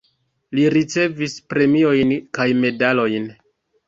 Li ricevis premiojn kaj medalojn.